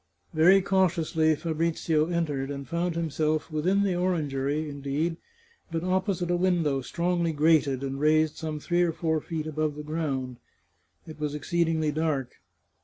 Very cautiously Fabrizio entered, and found himself within the orangery, indeed, but opposite a window strongly grated, and raised some three or four feet above the ground. It was exceed ingly dark.